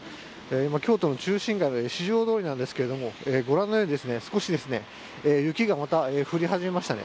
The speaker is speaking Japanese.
京都の中心街の四条通りなんですけどご覧のように、少し雪がまた降り始めました。